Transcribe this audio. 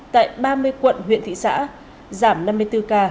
tại ba mươi quận huyện thị xã giảm năm mươi bốn ca